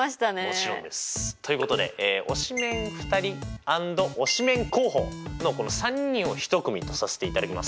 もちろんです。ということで推しメン２人アンド推しメン候補のこの３人を一組とさせていただきます。